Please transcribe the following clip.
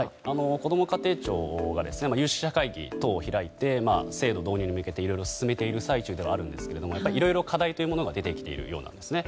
こども家庭庁が有識者会議等を開いて制度導入に向けていろいろ進めている最中ですがいろいろ課題というものが出てきているようなんですね。